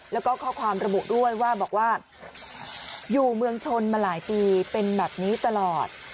แล้วก็ข้อความระบุด้วยว่าบอกว่าอยู่เมืองชนมาหลายปีเป็นแบบนี้ตลอด